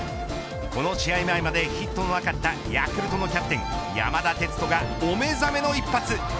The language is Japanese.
この試合前までヒットのなかったヤクルトのキャプテン山田哲人がお目覚めの一発。